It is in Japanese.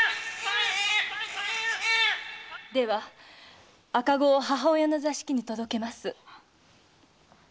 ⁉では赤子を母親の座敷に届けます。